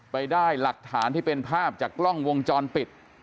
ไปได้หลักฐานที่เป็นภาพจากกล้องวงจรปิด